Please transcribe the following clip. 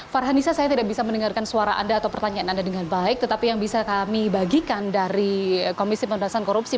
farhanisa saya tidak bisa mendengarkan suara anda atau pertanyaan anda dengan baik tetapi yang bisa kami bagikan dari komisi pemberantasan korupsi